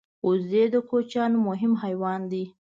وزې د کوچیانو مهم حیوان دی